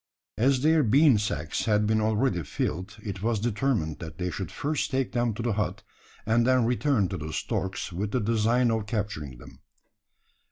As their bean sacks had been already filled, it was determined that they should first take them to the hut, and then return to the storks with the design of capturing them.